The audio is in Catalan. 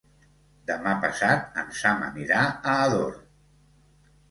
Demà passat en Sam anirà a Ador.